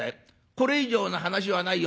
これ以上の話はないよ。